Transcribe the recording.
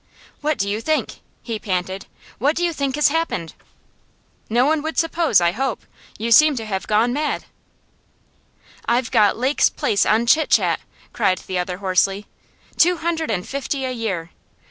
'What do you think?' he panted. 'What do you think has happened?' 'Not what one would suppose, I hope. You seem to have gone mad.' 'I've got Lake's place on Chit Chat!' cried the other hoarsely. 'Two hundred and fifty a year!